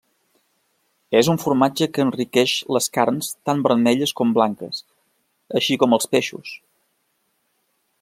És un formatge que enriqueix les carns tant vermelles com blanques, així com els peixos.